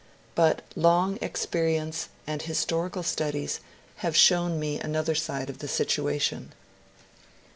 But long experience and historical studies have shown me another side of the situation.